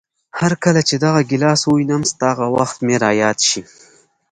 هرکله چې دغه ګیلاس ووینم، ستا هغه وخت مې را یاد شي.